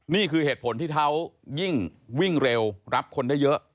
นี่คือเหตุผลที่เขายิ่งวิ่งเร็วรับคนได้เยอะ